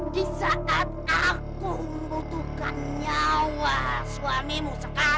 di saat aku membutuhkan nyawa suamimu sekarang